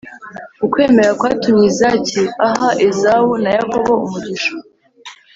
ukwemera kwatumye izaki ahaezawu na yakobo umugisha.